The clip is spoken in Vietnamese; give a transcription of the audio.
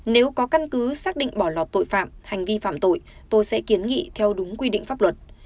nếu có căn cứ xác định bỏ lọt tội phạm hành vi phạm tội tôi sẽ kiến nghị theo đúng quy định pháp luật